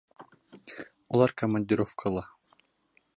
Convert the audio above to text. Улар командировкала.